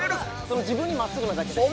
自分に真っすぐなだけで。